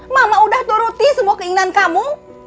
mama udah turuti semua keinginan kamu